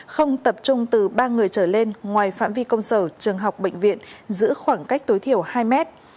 không tập trung từ ba người trở lên ngoài phạm vi công sở trường học bệnh viện giữ khoảng cách tối thiểu hai mét